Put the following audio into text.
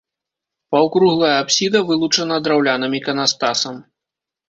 Паўкруглая апсіда вылучана драўляным іканастасам.